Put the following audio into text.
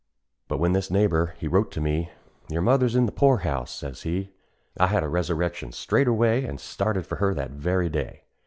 But when this neighbor he wrote to me, "Your mother's in the poor house," says he, I had a resurrection straightway, An' started for her that very day.